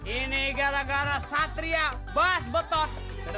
ini gara gara satria bas beton